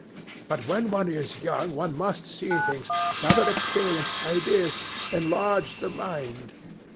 'But when one is young one must see things, gather experience, ideas; enlarge the mind.'